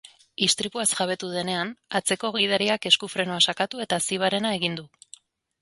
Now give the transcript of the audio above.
Istripuaz jabetu denean, atzeko gidariak esku-frenoa sakatu eta zibarena egin du.